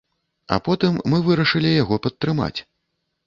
А потым мы вырашылі яго падтрымаць.